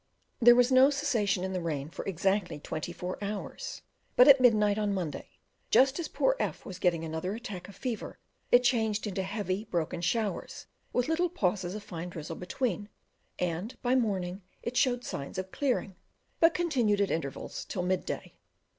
There was no cessation in the rain for exactly twenty four hours; but at midnight on Monday, just as poor F was getting another attack of fever, it changed into heavy, broken showers, with little pauses of fine drizzle between, and by morning it showed signs of clearing, but continued at intervals till midday.